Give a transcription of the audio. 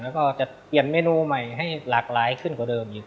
แล้วก็จะเปลี่ยนเมนูใหม่ให้หลากหลายขึ้นกว่าเดิมอีก